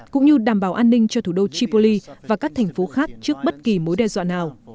cũng như đảm bảo an ninh cho thủ đô tripoli và các thành phố khác trước bất kỳ mối đe dọa nào